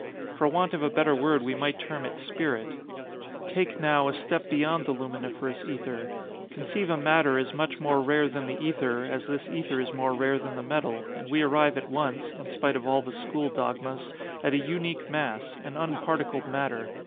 For want of a better word we might term it spirit. Take, now, a step beyond the luminiferous ether—conceive a matter as much more rare than the ether, as this ether is more rare than the metal, and we arrive at once (in spite of all the school dogmas) at a unique mass—an unparticled matter.